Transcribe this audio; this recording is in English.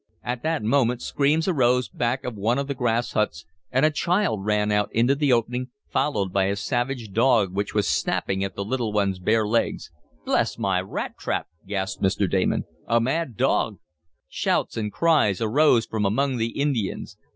At that moment screams arose back of one the grass huts, and a child ran out into the open, followed by a savage dog which was snapping at the little one's bare legs. "Bless my rat trap!" gasped Mr. Damon. "A mad dog!" Shouts and cries arose from among the Indians.